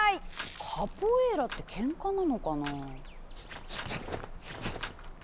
カポエイラってケンカなのかなあ？